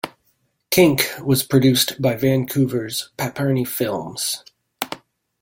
"KinK" was produced by Vancouver's Paperny Films.